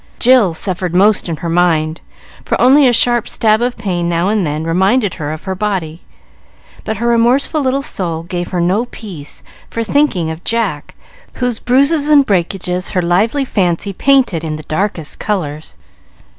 Jill suffered most in her mind; for only a sharp stab of pain now and then reminded her of her body; but her remorseful little soul gave her no peace for thinking of Jack, whose bruises and breakages her lively fancy painted in the darkest colors.